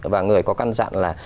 và người có căn dặn là